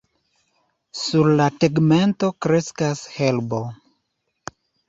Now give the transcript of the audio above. Sur la tegmento kreskas herbo.